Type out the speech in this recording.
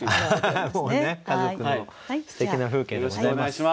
家族のすてきな風景でございます。